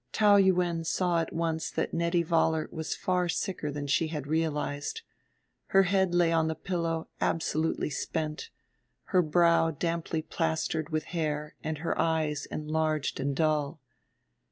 Taou Yuen saw at once that Nettie Vollar was far sicker than she had realized: her head lay on the pillow absolutely spent, her brow damply plastered with hair and her eyes enlarged and dull.